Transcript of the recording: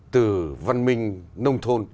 từ văn minh nông thôn